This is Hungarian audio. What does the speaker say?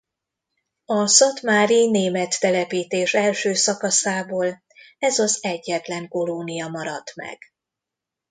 A szatmári német telepítés első szakaszából ez az egyetlen kolónia maradt meg.